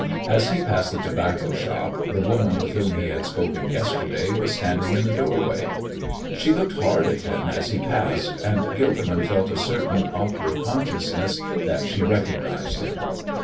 As he passed the tobacco shop, the woman with whom he had spoken yesterday was standing in the doorway. She looked hard at him as he passed, and Gilderman felt a certain awkward consciousness that she recognized him.